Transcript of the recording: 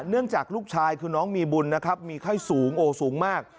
เนื่องจากลูกชายคุณน้องมีบุญนะครับมีไข้สูงโอ้สูงมาก